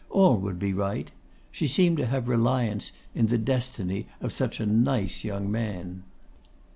All would be right; she seemed to have reliance in the destiny of such a nice young man.